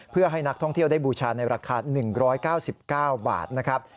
เพื่อให้นักท่องเที่ยวได้บูชาในราคา๑๙๙บาทนะครับ